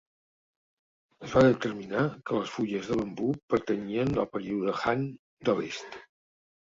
Es va determinar que les fulles de bambú pertanyien al període Han de l'Est.